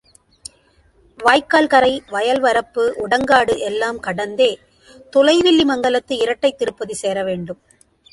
வாய்க்கால் கரை, வயல் வரப்பு உடங்காடு எல்லாம் கடந்தே துலை வில்லி மங்கலத்து இரட்டைத் திருப்பதி சேர வேண்டும்.